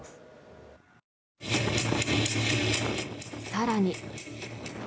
更に。